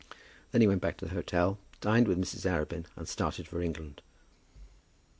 Then he went back to the hotel, dined with Mrs. Arabin, and started for England.